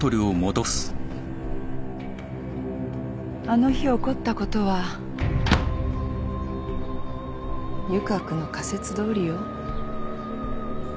あの日起こったことは湯川君の仮説どおりよ。